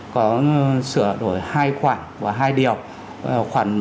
có sửa đổi hai khoảng và hai điều